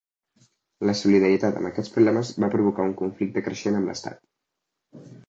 La solidaritat amb aquests problemes va provocar un conflicte creixent amb l'estat.